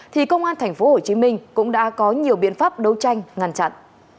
thì công an thành phố hồ chí minh cũng đã có nhiều biện pháp đấu tranh ngăn chặn